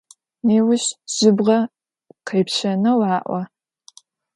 Nêuş jıbğe khêpşeneu a'o.